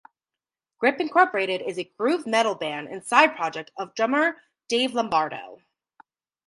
Grip Incorporated is a groove metal band and side project of drummer Dave Lombardo.